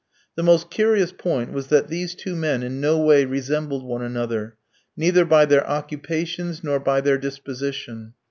The most curious point was that these two men in no way resembled one another, neither by their occupations nor by their disposition.